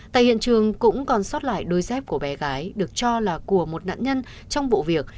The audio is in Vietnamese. tại hiện trường cũng còn sót lại đôi dép của bé gái được cho là của một nạn nhân trong vụ việc